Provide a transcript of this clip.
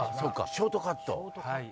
ショートカット。